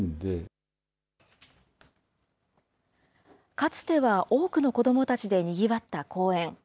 かつては多くの子どもたちでにぎわった公園。